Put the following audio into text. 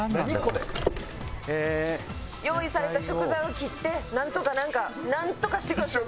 用意された食材を切ってなんとかなんかなんとかしてください！